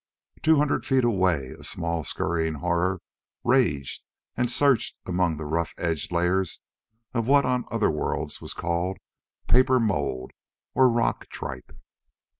Two hundred feet away, a small scurrying horror raged and searched among the rough edged layers of what on other worlds was called paper mould or rock tripe.